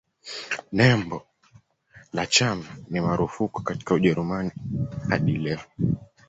Nembo la chama ni marufuku katika Ujerumani hadi leo.